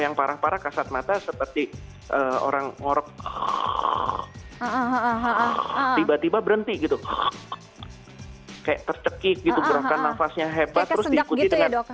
yang parah parah kasat mata seperti orang ngorok tiba tiba berhenti gitu kayak tercekik gitu gerakan nafasnya hebat terus diikuti dengan